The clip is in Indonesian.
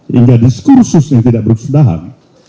hingga diskursusnya tidak berkesudahan